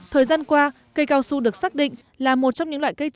thời gian qua cây cao su được xác định là một trong những loại cây trồng